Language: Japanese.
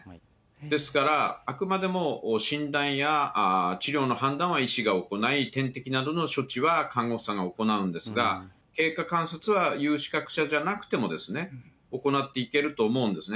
ですから、あくまでも診断や治療の判断は医師が行い、点滴などの処置は看護師さんが行うんですが、経過観察は有資格者じゃなくても、行っていけると思うんですね。